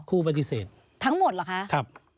ครูปฏิเสธทั้งหมดเหรอคะ